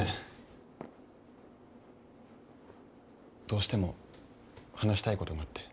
どうしても話したいことがあって。